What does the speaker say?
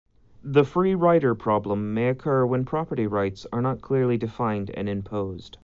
The free-rider problem may occur when property rights are not clearly defined and imposed.